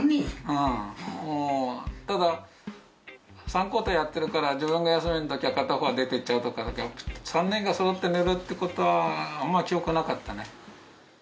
うんもうただ三交代やってるから自分が休みの時は片方は出てっちゃうとかが多くて３人が揃って寝るってことはあんまり記憶なかったね